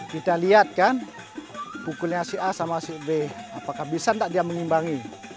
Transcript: kita lihat kan pukulnya si a sama si b apakah bisa tidak dia mengimbangi